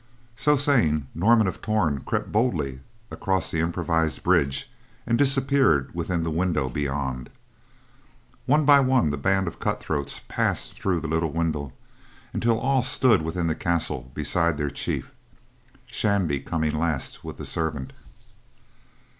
So saying, Norman of Torn crept boldly across the improvised bridge, and disappeared within the window beyond. One by one the band of cut throats passed through the little window, until all stood within the castle beside their chief; Shandy coming last with the servant.